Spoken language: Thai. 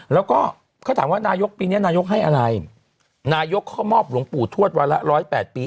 แล้วก็เขาถามว่านายกปีนี้นายกให้อะไรนายกเขามอบหลวงปู่ทวดวันละร้อยแปดปี